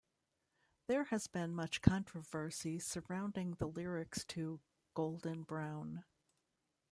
There has been much controversy surrounding the lyrics to "Golden Brown".